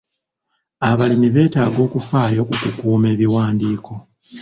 Abalimi beetaaga okufaayo ku kukuuma ebiwandiiko.